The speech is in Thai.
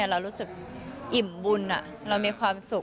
เรารู้สึกอิ่มบุญเรามีความสุข